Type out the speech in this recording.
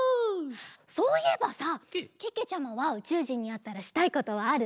そういえばさけけちゃまはうちゅうじんにあったらしたいことはある？